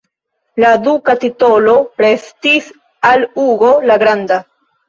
La duka titolo restis al Hugo la Granda.